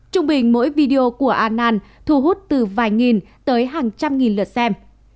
trung bình mỗi video của annan thu hút từ vài nghìn tới hàng trăm nghìn lượt xem